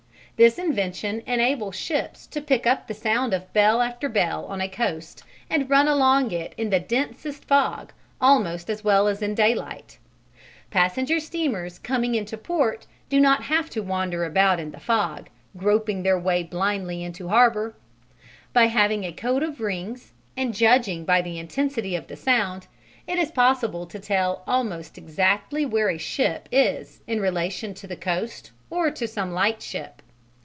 This invention enables ships to pick up the sound of bell after bell on a coast and run along it in the densest fog almost as well as in daylight; passenger steamers coming into port do not have to wander about in the fog, groping their way blindly into harbour. By having a code of rings, and judging by the intensity of the sound, it is possible to tell almost exactly where a ship is in relation to the coast or to some lightship.